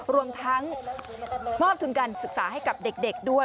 รวมทั้งมอบทุนการศึกษาให้กับเด็กด้วย